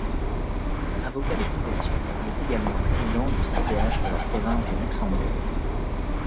Avocat de profession, il est également président du cdH de la province de Luxembourg.